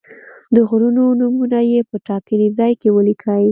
د غرونو نومونه یې په ټاکلي ځای کې ولیکئ.